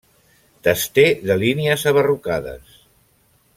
Tester de línies abarrocades.